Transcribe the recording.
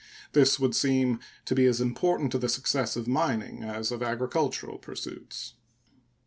This would seem to be as important to the success of mining as of agricultural pursuits.